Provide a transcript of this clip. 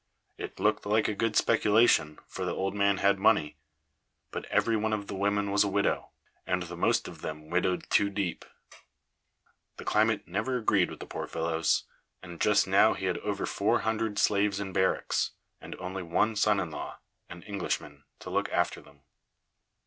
It looked like a good speculation, for the old man had money. But every one of the women was a widow, and the most of them widowed two deep. The climate never agreed with the poor fellows, and just now he had over four hundred slaves in barracks, and only one son in law, an Englishman, to look after them.